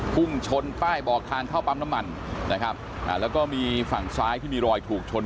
พุ่งชนป้ายบอกทางเข้าปั๊มน้ำมันนะครับอ่าแล้วก็มีฝั่งซ้ายที่มีรอยถูกชน